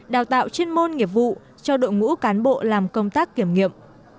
đào tạo chuyên môn nghiệp vụ cho đội ngũ cán bộ làm công tác kiểm nghiệm